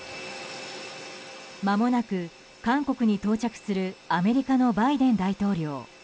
まもなく韓国に到着するアメリカのバイデン大統領。